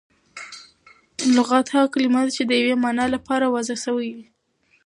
لغت هغه کلیمه ده، چي د یوې مانا له پاره وضع سوی وي.